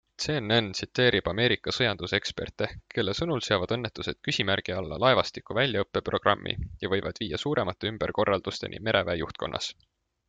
CNN tsiteerib Ameerika sõjanduseksperte, kelle sõnul seavad õnnetused küsimärgi alla laevastiku väljaõppeprogrammi ja võivad viia suuremate ümberkorraldusteni mereväe juhtkonnas.